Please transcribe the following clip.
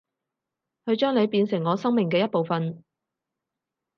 去將你變成我生命嘅一部份